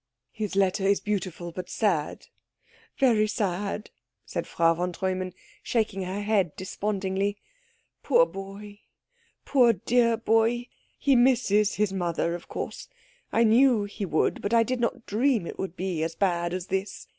"His letter is beautiful, but sad very sad," said Frau von Treumann, shaking her head despondingly. "Poor boy poor dear boy he misses his mother, of course. I knew he would, but I did not dream it would be as bad as this.